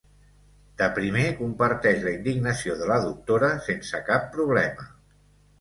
De primer, comparteix la indignació de la doctora sense cap problema.